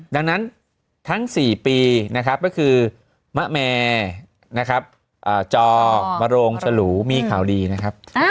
ดังนั้นทั้ง๔ปีนะครับก็คือมะแมนะครับจอมโรงสลูมีข่าวดีนะครับ